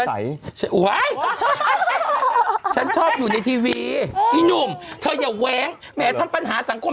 ไสฉันโหไอ้ฉันชอบอยู่ในทีวีอีนุ่มแถมปัญหาสังคม